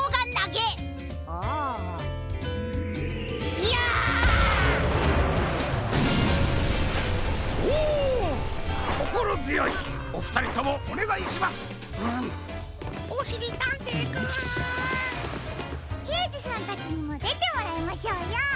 けいじさんたちにもでてもらいましょうよ。